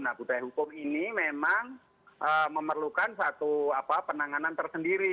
nah budaya hukum ini memang memerlukan satu penanganan tersendiri